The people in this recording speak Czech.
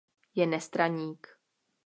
Je nestraník.